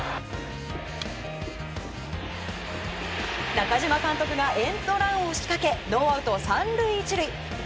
中嶋監督がエンドランを仕掛けノーアウト３塁１塁。